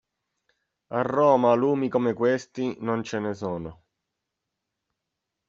A Roma lumi come questi non ce ne sono.